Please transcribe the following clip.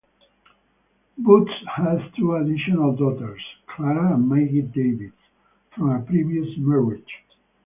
Butz has two additional daughters, Clara and Maggie Davis, from a previous marriage.